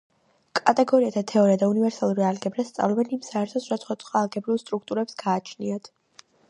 კატეგორიათა თეორია და უნივერსალური ალგებრა სწავლობენ იმ საერთოს, რაც სხვადასხვა ალგებრულ სტრუქტურებს გააჩნიათ.